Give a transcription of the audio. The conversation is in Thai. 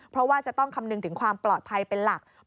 เพราะว่าจะต้องคำนึงถึงความปลอดภัยเป็นหลัก